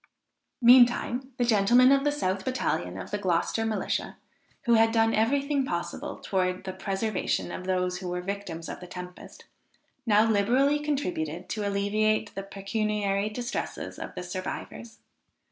Meantime the gentlemen of the south battalion of the Gloucester Militia, who had done every thing possible towards the preservation of those who were the victims of the tempest, now liberally contributed to alleviate the pecuniary distresses of the survivors.